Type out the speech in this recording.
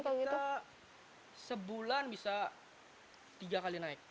kita sebulan bisa tiga kali naik